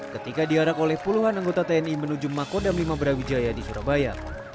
ketika diarak oleh puluhan anggota tni menuju makodam v brawijaya di surabaya